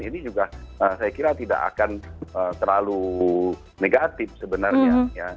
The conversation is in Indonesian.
ini juga saya kira tidak akan terlalu negatif sebenarnya